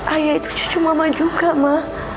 ayah itu cucu mama juga mah